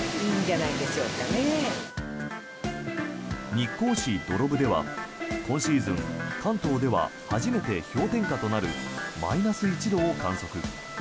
日光市土呂部では今シーズン関東では初めて氷点下となるマイナス１度を観測。